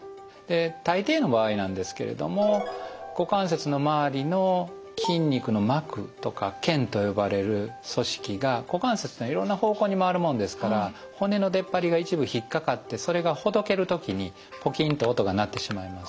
大抵の場合なんですけれども股関節の周りの筋肉の膜とか腱と呼ばれる組織が股関節というのはいろんな方向に回るもんですから骨の出っ張りが一部引っ掛かってそれがほどける時にポキンと音が鳴ってしまいます。